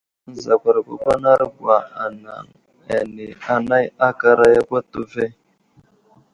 Nəzakarakwakwanarogwa anaŋ ane anay aka aray yakw atu ve.